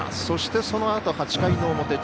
そして、そのあと８回の表。